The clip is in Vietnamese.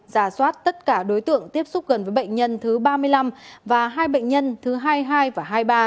giả soát tất cả đối tượng tiếp xúc gần với bệnh nhân thứ ba mươi năm và hai bệnh nhân thứ hai mươi hai và hai mươi ba